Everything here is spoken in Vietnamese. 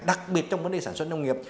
đặc biệt trong vấn đề sản xuất nông nghiệp